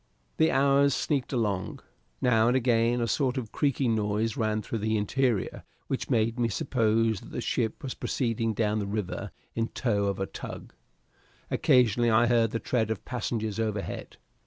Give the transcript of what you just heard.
The hours sneaked along. Now and again a sort of creaking noise ran through the interior, which made me suppose that the ship was proceeding down the river in tow of a tug. Occasionally I heard the tread of passengers overhead.